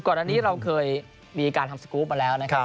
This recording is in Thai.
ก่อนอันนี้เราเคยมีการทำสกรูปมาแล้วนะครับ